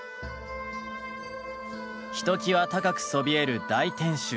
ひときわ高くそびえる大天守。